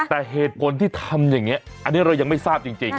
แต่เหตุผลที่ทำอย่างนี้อันนี้เรายังไม่ทราบจริง